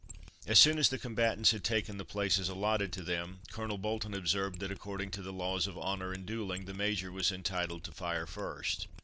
As soon as the combatants had taken the places allotted to them, Colonel Bolton observed that, according to the laws of honour and duelling, the Major was entitled to fire first.